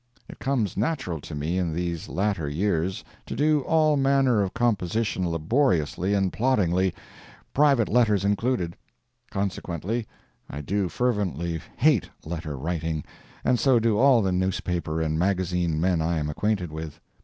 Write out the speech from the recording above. It comes natural to me in these latter years to do all manner of composition laboriously and ploddingly, private letters included. Consequently, I do fervently hate letter writing, and so do all the newspaper and magazine men I am acquainted with.